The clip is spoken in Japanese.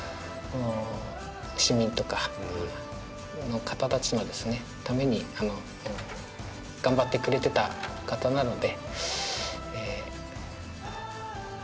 市民とかの方たちのために頑張ってくれてた方なので。